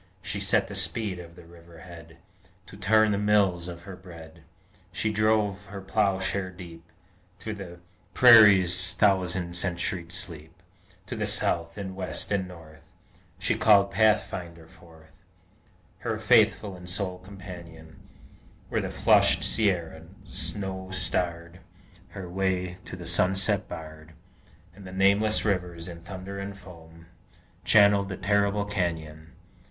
She set the speed of the river head To turn the mills of her bread; She drove her ploughshare deep Through the prairie's thousand centuried sleep, To the South, and West, and North, She called Pathfinder forth, Her faithful and sole companion Where the flushed Sierra, snow starred, Her way to the sunset barred, And the nameless rivers in thunder and foam Channelled the terrible canyon!